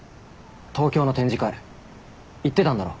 東京の展示会行ってたんだろ？